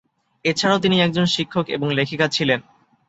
এছাড়াও তিনি একজন শিক্ষক এবং লেখিকা ছিলেন।